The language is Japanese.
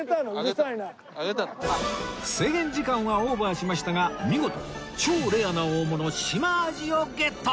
制限時間はオーバーしましたが見事超レアな大物シマアジをゲット！